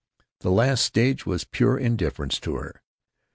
The last stage was pure indifference to her.